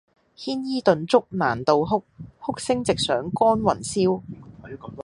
牽衣頓足攔道哭，哭聲直上干云霄！